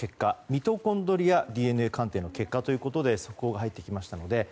ミトコンドリアＤＮＡ鑑定の結果ということで速報が入ってきました。